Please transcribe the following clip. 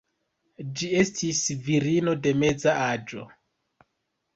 Ĝi estis virino de meza aĝo.